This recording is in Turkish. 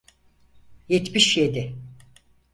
Yetmiş yedi.